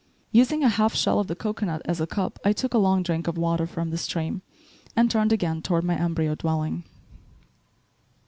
Using a half shell of the cocoanut as a cup, I took a long drink of water from the stream and turned again toward my embryo dwelling.